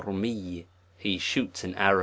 he shoots an ar *?